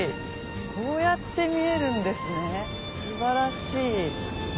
こうやって見えるんですね素晴らしい。